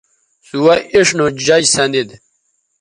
سوہ اِڇھ نو جج سندید